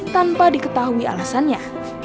tanpa diketahui alasannya